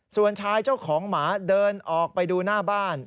ส่วนชายเจ้าของหมาเดินออกไปดูหน้าบ้าน